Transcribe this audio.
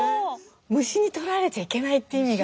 虫にとらわれちゃいけないって意味が。